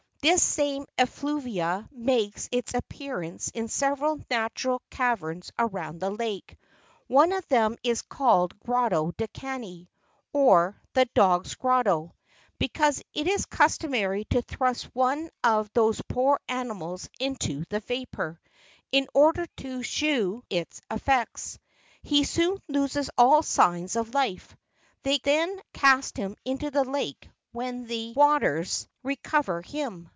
This same effluvia makes its appearance in several natural caverns around the lake: one of them is called Grotto del Cani, or the Dog's Grotto: because it is customary to thrust one of those poor animals into the vapour, in order to shew its effects. He soon loses all signs of life : they then cast him into the lake, when the waters 48 ITA.LY. recover him.